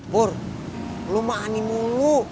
pur lo mah ani mulu